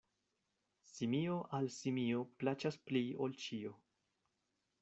Simio al simio plaĉas pli ol ĉio.